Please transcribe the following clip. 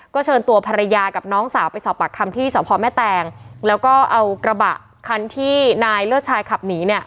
ก็เชิญตัวภรรยากับน้องสาวไปสอบปากคำที่สพแม่แตงแล้วก็เอากระบะคันที่นายเลิศชายขับหนีเนี่ย